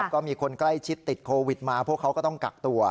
ก็มีคนใกล้ชิดติดโควิดมาพวกเขาก็ต้องกักตัว